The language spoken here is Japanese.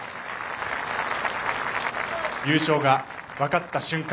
優勝が分かった瞬間